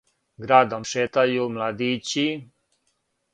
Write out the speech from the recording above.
Градом шетају младићи.